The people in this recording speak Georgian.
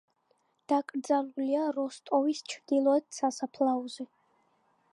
დაკრძალულია როსტოვის ჩრდილოეთ სასაფლაოზე.